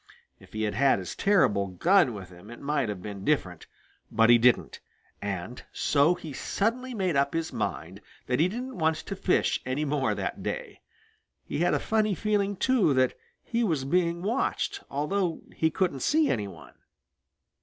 If he had had his terrible gun with him, it might have been different. But he didn't, and so he suddenly made up his mind that he didn't want to fish any more that day. He had a funny feeling, too, that he was being watched, although he couldn't see any one.